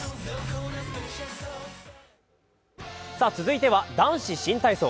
続いては男子新体操。